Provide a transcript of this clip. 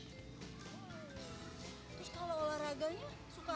terus kalau olahraganya suka